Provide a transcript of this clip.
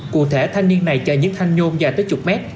cụ thể thanh niên này chạy những thanh nhôm dài tới chục mét